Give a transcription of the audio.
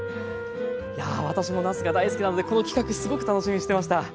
いやあ私もなすが大好きなのでこの企画すごく楽しみにしてました。